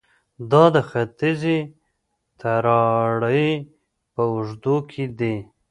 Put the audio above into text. دا د ختیځې تراړې په اوږدو کې دي